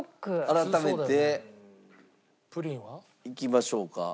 改めていきましょうか。